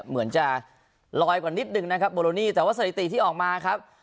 เหมือนจะลอยกว่านิดนึงนะครับโบโลนี่แต่ว่าสถิติที่ออกมาครับ